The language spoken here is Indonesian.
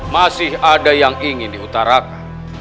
masih ada yang ingin diutarakan